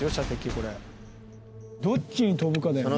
これどっちに飛ぶかだよね